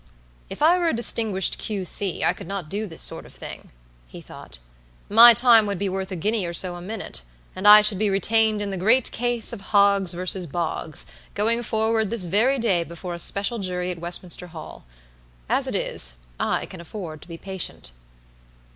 "If I were a distinguished Q.C., I could not do this sort of thing," he thought; "my time would be worth a guinea or so a minute, and I should be retained in the great case of Hoggs vs. Boggs, going forward this very day before a special jury at Westminster Hall. As it is, I can afford to be patient."